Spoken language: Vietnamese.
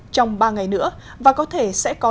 trong ba ngày nữa và có thể sẽ có